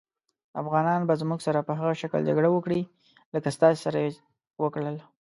افغانان به زموږ سره په هغه شکل جګړه وکړي لکه ستاسې سره یې وکړه.